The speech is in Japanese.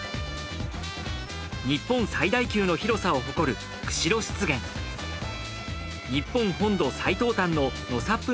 日本最大級の広さを誇る日本本土最東端の。